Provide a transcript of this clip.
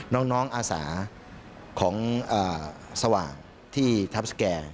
น้องอาสาของสว่างที่ทัพสแก่